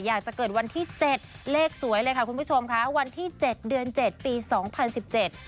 อยากจะเกิดวันที่เจ็ดเลขสวยเลยค่ะคุณผู้ชมค่ะวันที่เจ็ดเดือนเจ็ดปีสองพันสิบเจ็ด